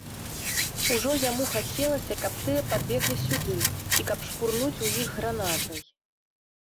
Ужо яму хацелася, каб тыя падбеглі сюды і каб шпурнуць у іх гранатай.